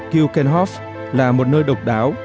kukenhof là một nơi độc đáo